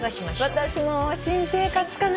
私も「新生活」かな。